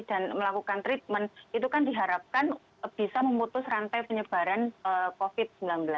dan melakukan treatment itu kan diharapkan bisa memutus rantai penyebaran covid sembilan belas